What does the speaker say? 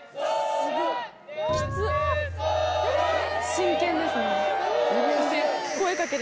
真剣ですね。